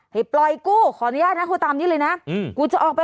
เฮ้ยปล่อยกูขออนุญาตนะคุณตามนี้เลยน่ะอืมกูจะออกไป